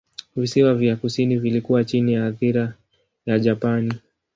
Visiwa vya kusini vilikuwa chini ya athira ya Japani.